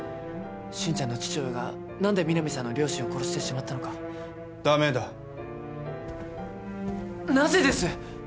心ちゃんの父親が何で皆実さんの両親を殺してしまったのかダメだなぜです！？